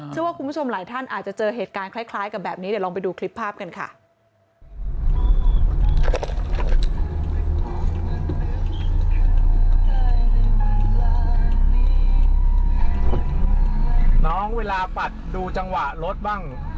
เชื่อว่าคุณผู้ชมหลายท่านอาจจะเจอเหตุการณ์คล้ายกับแบบนี้เดี๋ยวลองไปดูคลิปภาพกันค่ะ